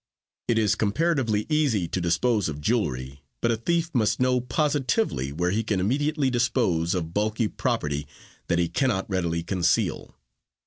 It is comparatively easy to dispose of jewelry, but a thief must know positively where he can immediately dispose of bulky property that he cannot readily conceal.